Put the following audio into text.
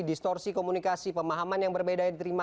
distorsi komunikasi pemahaman yang berbeda yang diterima